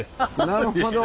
なるほど。